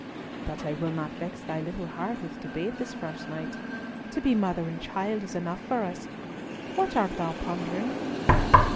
But I will not vex thy little heart with debate this first night. To be mother and child is enough for us. What art thou pondering?"